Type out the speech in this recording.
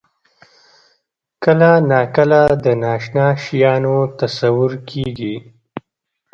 کله ناکله د نااشنا شیانو تصور کېږي.